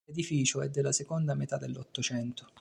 L'edificio è della seconda metà dell'Ottocento.